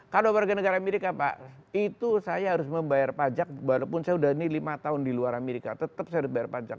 kalau warga negara amerika pak itu saya harus membayar pajak walaupun saya sudah ini lima tahun di luar amerika tetap saya harus bayar pajak